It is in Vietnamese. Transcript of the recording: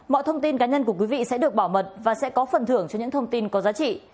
mọi thông tin cá nhân của quý vị sẽ được bảo mật và sẽ có phần thưởng cho những thông tin có giá trị